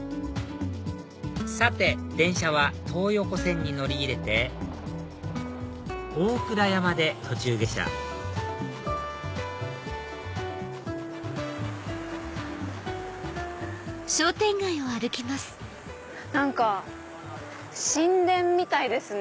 さて電車は東横線に乗り入れて大倉山で途中下車何か神殿みたいですね